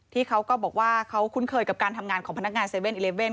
ที่เขาก็บอกว่าเขาคุ้นเคยกับการทำงานของพนักงานเซเว่นอิเลเว่น